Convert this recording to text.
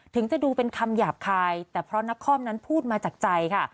ถึงจะดูเป็นคำหยาบคายแต่เพราะนักคอมนั้นพูดมาจากใจค่ะ